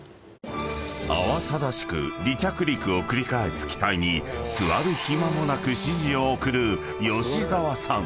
［慌ただしく離着陸を繰り返す機体に座る暇もなく指示を送る澤さん］